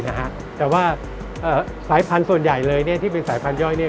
แต่ว่าสายพันธุ์ส่วนใหญ่เลยที่เป็นสายพันธุ์ย่อย